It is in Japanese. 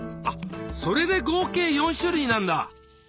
あっそれで合計４種類なんだ！